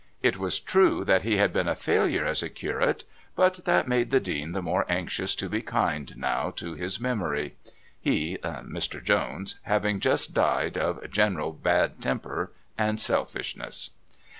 It was true that he had been a failure as a curate, but that made the Dean the more anxious to be kind now to his memory, he Mr. Jones having just died of general bad temper and selfishness.